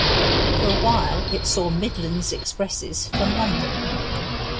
For a while it saw Midlands expresses from London.